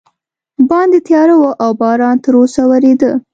باندې تیاره وه او باران تراوسه ورېده.